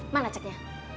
mari saya cari